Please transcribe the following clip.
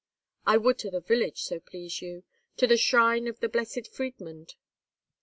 "I would to the village, so please you—to the shrine of the Blessed Friedmund."